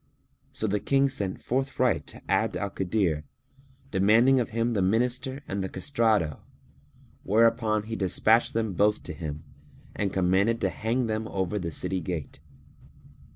So the King sent forthright to Abd al Kadir, demanding of him the Minister and the castrato, whereupon he despatched them both to him and he commanded to hang them over the city gate.